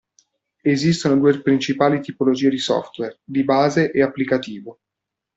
Esistono due principali tipologie di software: di base e applicativo.